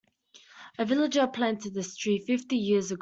A villager planted this tree fifty years ago.